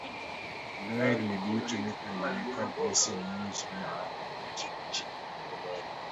Kendo ohelni duto mitimo ni koda lesen manyiso ni ohala magitimo chik oyie godo.